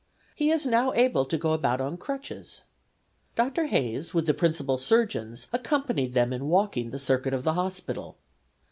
He is now able to go about on crutches. Dr. Hayes, with the principal surgeons, accompanied them in walking the circuit of the hospital.